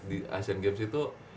di asian games itu